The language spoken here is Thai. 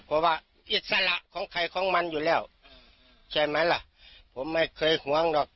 เพราะว่าอิสระของใครของมันอยู่แล้วใช่ไหมล่ะผมไม่เคยห่วงหรอก